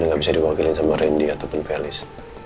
yang gak bisa diwakilin sama reni ataupun felis